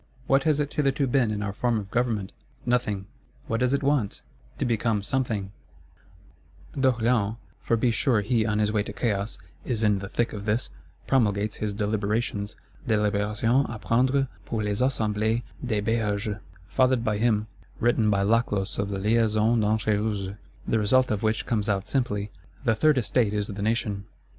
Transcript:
—What has it hitherto been in our form of government? Nothing.—What does it want? To become Something._ D'Orléans,—for be sure he, on his way to Chaos, is in the thick of this,—promulgates his Deliberations; fathered by him, written by Laclos of the Liaisons Dangereuses. The result of which comes out simply: "The Third Estate is the Nation."